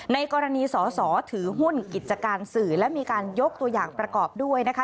ในกรณีสอสอถือหุ้นกิจการสื่อและมีการยกตัวอย่างประกอบด้วยนะคะ